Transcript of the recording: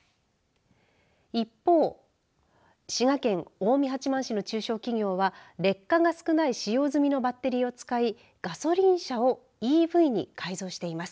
一方、滋賀県近江八幡市の中小企業は劣化が少ない使用済みのバッテリーを使いガソリン車をＥＶに改造しています。